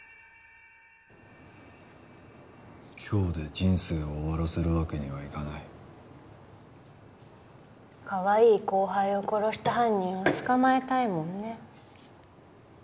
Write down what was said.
今日で人生を終わらせるわけにはいかないかわいい後輩を殺した犯人を捕まえたいもんね